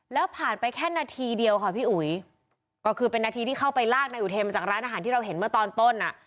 แล้วผ่านไปแค่นาทีเดียวค่ะพี่อุ๋ยก็คือเป็นนาทีที่เข้าไปลากนายอุเทมจากร้านอาหารที่เราเห็นเมื่อตอนต้นอ่ะ